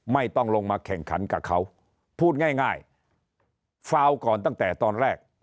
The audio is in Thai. ไม่ต้องลงมาแข่งขันกับเขาพูดง่ายฟาวก่อนตั้งแต่ตอนแรก